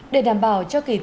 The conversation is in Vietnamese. để đảm bảo cho kỳ thi tốt